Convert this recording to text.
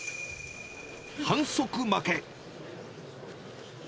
反則負け。